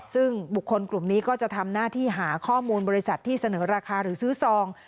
ซึ่งบุคคลกลุ่มนี้ก็จะทำหน้าที่หาข้อมูลบริษัทที่เสนอราคาหรือซื้อซอง